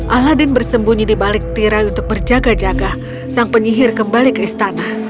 aladin bersembunyi di balik tirai untuk berjaga jaga sang penyihir kembali ke istana